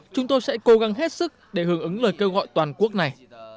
chúng tôi sẽ cố gắng hết sức để hưởng ứng lời kêu gọi toàn quốc này